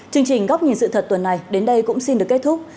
chương trình góc nhìn sự thật tuần này đến đây cũng xin được kết thúc